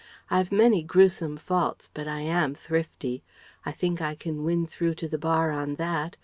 I've many gruesome faults, but I am thrifty. I think I can win through to the Bar on that.